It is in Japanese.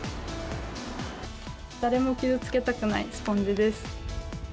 誰も傷つけたくないスポンジです。